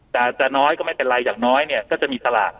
จะน้อยก็ไม่เป็นไรอย่างน้อยเนี่ยก็จะมีสลาก